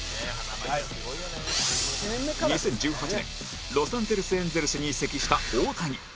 ２０１８年ロサンゼルス・エンゼルスに移籍した大谷